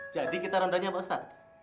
jadi kita rondanya pak ustadz